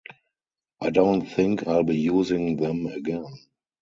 I don't think I'll be using them again.